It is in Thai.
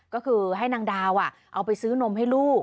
ก็คือให้นางดาวเอาไปซื้อนมให้ลูก